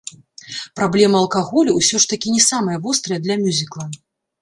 Праблема алкаголю ўсё ж такі не самая вострая для мюзікла.